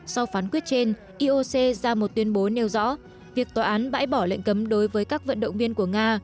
sau phán quyết trên ioc ra một tuyên bố nêu rõ việc tòa án bãi bỏ lệnh cấm đối với các vận động viên của nga